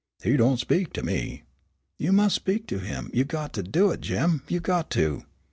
"He don't speak to me." "You mus' speak to him; you got to do it, Jim; you got to."